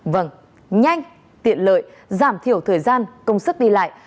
vâng nhanh tiện lợi giảm thiểu thời gian công sức đi lại